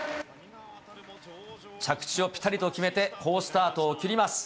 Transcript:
着地をぴたりと決め、好スタートを切ります。